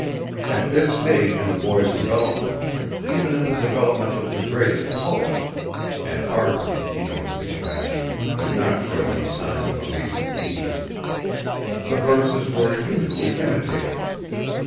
At this stage in a boy's development, even in the development of the greatest poets (and Arthur, he noticed in passing, did not show any signs of amazing genius) the verses were usually imitative.